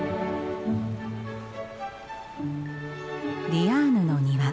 ディアーヌの庭。